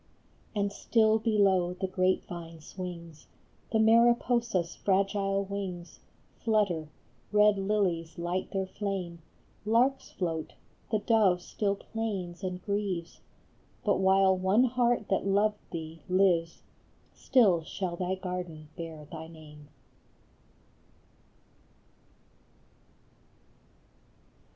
112 IN HER GARDEN. And still below the grape vine swings ; The Mariposa s fragile wings Flutter, red lilies light their flame, Larks float, the dove still plains and grieves ; But while one heart that loved thee lives, Still shall thy garden bear thy name.